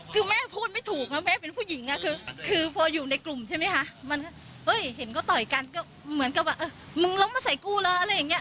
คือแม่พูดไม่ถูกนะแม่เป็นผู้หญิงอ่ะคือพออยู่ในกลุ่มใช่ไหมคะมันเห็นก็ต่อยกันก็เหมือนกับว่ามึงลงมาใส่กูเหรออะไรอย่างเงี้